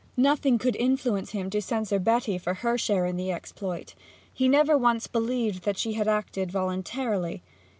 Nothing could influence him to censure Betty for her share in the exploit. He never once believed that she had acted voluntarily.